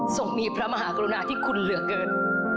ส่งมีพระมหากรุณาที่คุณเหลือเกิน